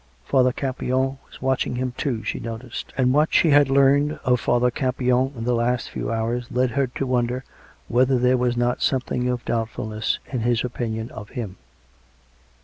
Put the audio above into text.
Father Campion was watching him, too, she noticed; and, what she had learned of Father Campion in the last few hours led her to wonder whether there was not something of doubtfulness in his opinion of him.